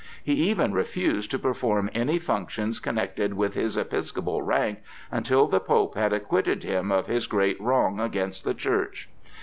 He even refused to perform any functions connected with his episcopal rank until the Pope had acquitted him of his great wrong against the Church.